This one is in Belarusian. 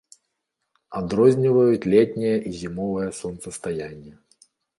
Адрозніваюць летняе і зімовае сонцастаянне.